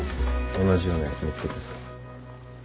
同じようなやつ見つけてさ。